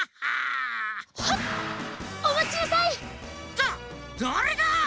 だだれだ！？